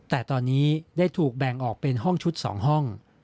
แต่ตอนนี้ได้ถูกแบ่งออกเป็นห้องชุด๒ห้อง